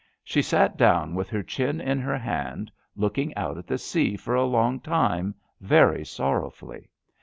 She sat down with her chin in her hand, looking out at the sea for a long time very sorrowfully.